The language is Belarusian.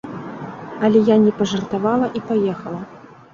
Але я не пажартавала і паехала.